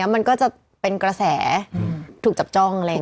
มันก็จะเป็นกระแสถูกจับจ้อง